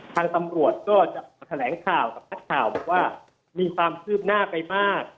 ทางตำรวจก็จะแถลงข่าวกับนักข่าวบอกว่ามีความคืบหน้าไปมาก